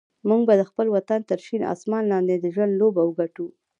موږ به د خپل وطن تر شین اسمان لاندې د ژوند لوبه وګټو.